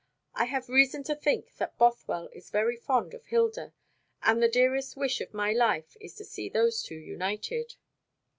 "I have reason to think that Bothwell is very fond of Hilda, and the dearest wish of my life is to see those two united."